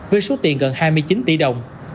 với số tiền gần hai mươi chín tỷ đồng